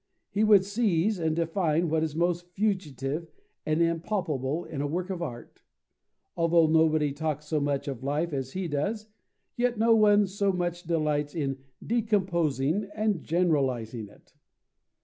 He would seize and define what is most fugitive and impalpable in a work of art. Although nobody talks so much of life as he does, yet no one so much delights in decomposing and generalizing it.